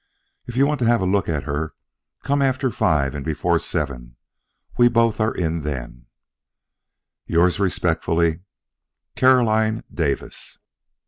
If you want to have a look at her, come after five and before seven; we are both in then. Yours respectfully, Caroline Davis.